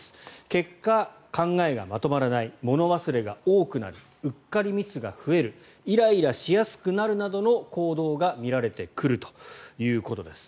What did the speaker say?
結果、考えがまとまらない物忘れが多くなるうっかりミスが増えるイライラしやすくなるなどの行動が見られてくるということです。